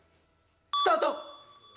スタート！